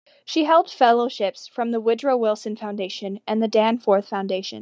She held fellowships from the Woodrow Wilson Foundation and the Danforth Foundation.